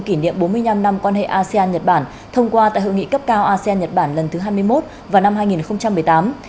kỷ niệm bốn mươi năm năm quan hệ asean nhật bản thông qua tại hội nghị cấp cao asean nhật bản lần thứ hai mươi một vào năm hai nghìn một mươi tám